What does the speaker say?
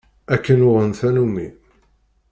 Akken uɣen tanumi.